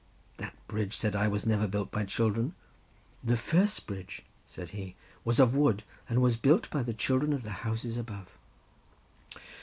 "That bridge," said I, "was never built by children." "The first bridge," said he, "was of wood, and was built by the children of the houses above."